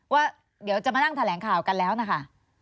ว่าเดี๋ยวจะมานั่งแถลงข่าวกันแล้วนะคะ